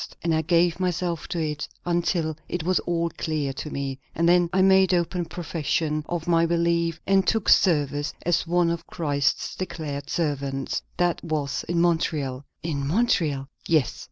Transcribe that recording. And I gave myself to it, until it was all clear to me. And then I made open profession of my belief, and took service as one of Christ's declared servants. That was in Montreal." "In Montreal!" "Yes."